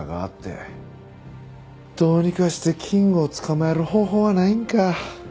どうにかしてキングを捕まえる方法はないんか？